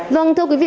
vâng thưa quý vị